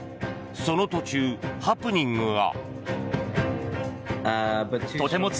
その途中、ハプニングが。